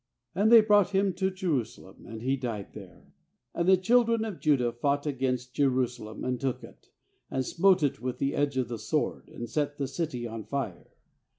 And they brought' him to Jeru salem, and he died there. 8And tl^e children of Judah fought against Jerusalem, and took it, and smote it with the edge of the sword, and set the city on fire.